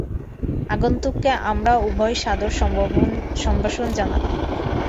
আগন্তুককে আমরা উভয়েই সাদর সম্ভাষণ জানালাম।